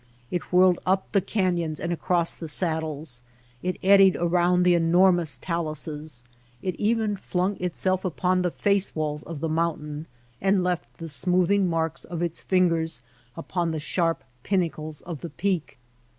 It whirled up the canyons and across the saddles, it eddied around the enormous taluses, it even flung itself upon the face walls of the mountain and left the smoothing marks of its fingers upon the sharp pinnacles of the peak.